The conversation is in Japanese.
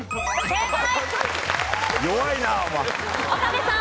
正解！